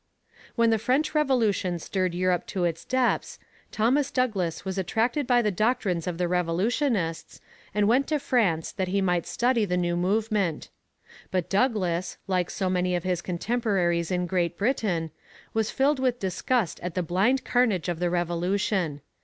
When the French Revolution stirred Europe to its depths, Thomas Douglas was attracted by the doctrines of the revolutionists, and went to France that he might study the new movement. But Douglas, like so many of his contemporaries in Great Britain, was filled with disgust at the blind carnage of the Revolution.